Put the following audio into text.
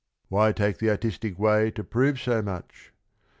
Why take the artistic way to prove so much?